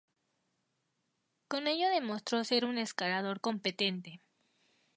Con ello demostró ser un escalador competente.